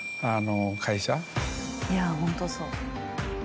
いやホントそう。